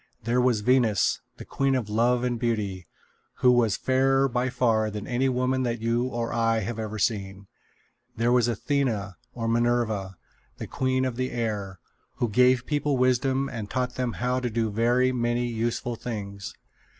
There was Venus, the queen of love and beauty, who was fairer by far than any woman that you or I have ever seen. There was Athena, or Minerva, the queen of the air, who gave people wisdom and taught them how to do very many useful things.